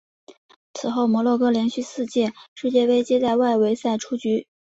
此后摩洛哥连续四届世界杯皆在外围赛出局。